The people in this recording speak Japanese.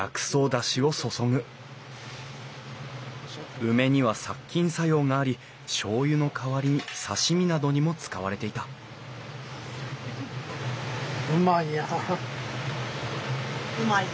梅には殺菌作用がありしょうゆの代わりに刺身などにも使われていたうまいやん。